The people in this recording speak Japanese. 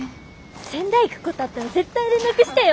仙台来っこどあったら絶対連絡してよ？